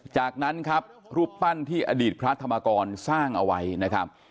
จากนั้นครับรูปปั้นที่อดีตพระธรรมกรสร้างเอาไว้นะครับ